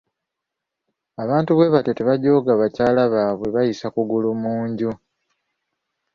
Abantu bwe batyo tebajooga bakyala baabwe bayisa kugulu mu nju!